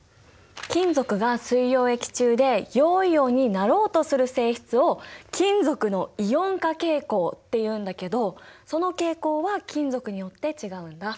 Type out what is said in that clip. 金属が水溶液中で陽イオンになろうとする性質を金属のイオン化傾向っていうんだけどその傾向は金属によって違うんだ。